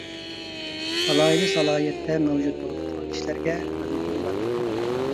ئالاھىدە سالاھىيەتتە مەۋجۇت بولۇپ تۇرغان كىشىلەرگە ھۆرمىتىم بار ئىدى.